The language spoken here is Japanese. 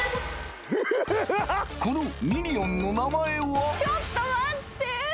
このミニオンの名前は？